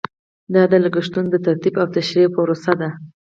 دا د لګښتونو د ترتیب او تشریح پروسه ده.